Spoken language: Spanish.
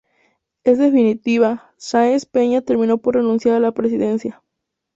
En definitiva, Sáenz Peña terminó por renunciar a la presidencia.